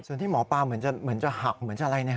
ส่วนที่หมอปลาเหมือนจะหักเหมือนจะอะไร